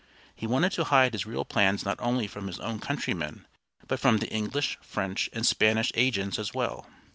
He wanted to hide his real plans not only from his own countrymen, but from the English, French, and Spanish agents as well.